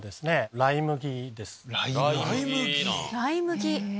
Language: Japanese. ライ麦。